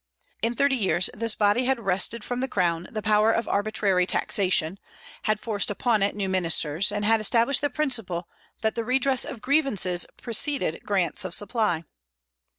In thirty years this body had wrested from the Crown the power of arbitrary taxation, had forced upon it new ministers, and had established the principle that the redress of grievances preceded grants of supply.